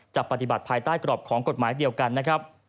จะปฏิบัติภายใต้กรอบของกฎหมายเดียวกันนะครับ